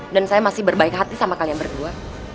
dan saya masih berbaik hati sama kalian berdua